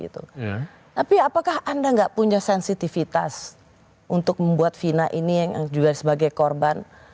tapi apakah anda nggak punya sensitivitas untuk membuat vina ini yang juga sebagai korban